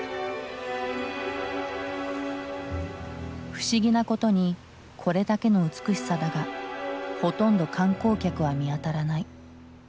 不思議なことにこれだけの美しさだがほとんど観光客は見当たらない。